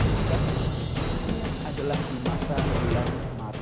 ini adalah di masa yang mati